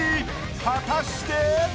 果たして。